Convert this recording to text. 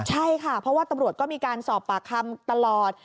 ใช่ค่ะเพราะว่าตำรวจก็มีการสอบปากคำตลอด